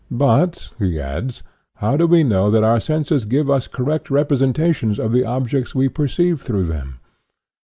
But, he adds, how do we know that our senses give us correct representations of the objects we perceive through them?